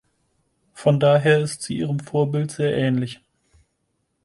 Von daher ist sie ihrem Vorbild sehr ähnlich.